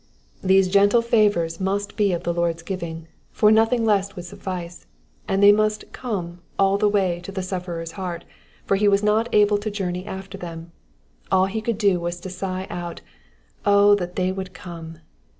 These gentle favours must be of the Lord^s giving, for nothing less would suffice ; and they must come" all the way to the suf ferer's heart, for he was not able to journey after them ; all he could do was to sigh out, Oh that they would come."